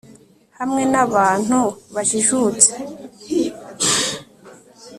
Hamwe nabantu bajijutse